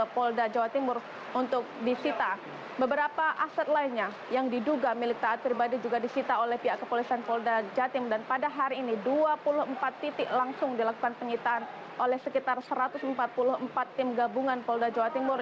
pada hari ini dua puluh empat titik langsung dilakukan penyitaan oleh sekitar satu ratus empat puluh empat tim gabungan polda jawa timur